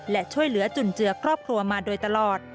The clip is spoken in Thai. และช่วยเหลือจุนเจือครอบครัวมาโดยตลอด